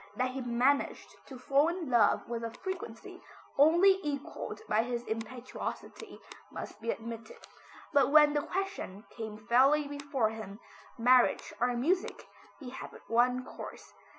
That he managed to fall in love with a frequency only equalled by his impetuosity, must be admitted. But when the question came fairly before him, marriage or music, he had but one course.